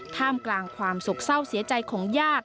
ท่ามกลางความโศกเศร้าเสียใจของญาติ